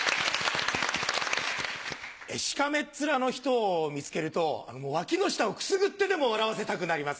しかめっ面の人を見つけると脇の下をくすぐってでも笑わせたくなります。